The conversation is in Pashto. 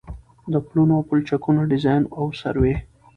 د پلونو او پلچکونو ډيزاين او سروې